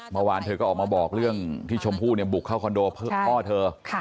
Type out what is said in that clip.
เมื่อวานเธอก็ออกมาบอกเรื่องที่ชมพู่เนี่ยบุกเข้าคอนโดพ่อเธอ